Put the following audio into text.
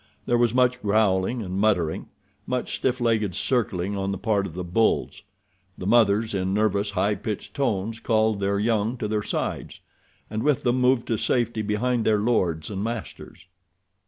There was much growling and muttering; much stiff legged circling on the part of the bulls. The mothers, in nervous, high pitched tones, called their young to their sides, and with them moved to safety behind their lords and masters.